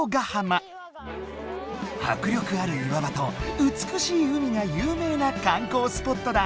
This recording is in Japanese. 迫力ある岩場と美しい海が有名な観光スポットだ。